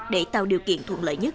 để tạo điều kiện thuận lợi nhất